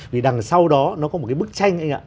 vì đằng sau đó nó có một cái bức tranh